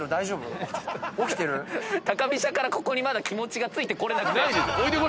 高飛車からここにまだ気持ちがついてこれなくて。